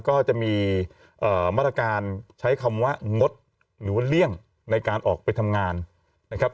ก็จะมีมาตรการใช้คำว่างดหรือว่าเลี่ยงในการออกไปทำงานนะครับ